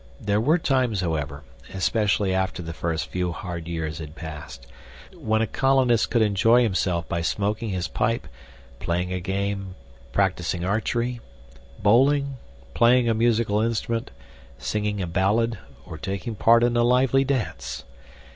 There were times, however (especially after the first few hard years had passed), when a colonist could enjoy himself by smoking his pipe, playing a game, practicing archery, bowling, playing a musical instrument, singing a ballad, or taking part in a lively dance.